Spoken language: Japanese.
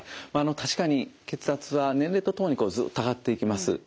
確かに血圧は年齢とともにずっと上がっていきます。